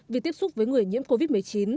vì tiếp xúc với người nhiễm covid một mươi chín